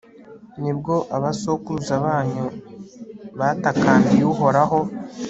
ni bwo abasokuruza banyu batakambiye uhoraho